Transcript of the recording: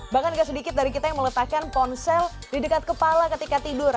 bahkan gak sedikit dari kita yang meletakkan ponsel di dekat kepala ketika tidur